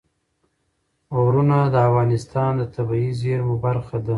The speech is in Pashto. غرونه د افغانستان د طبیعي زیرمو برخه ده.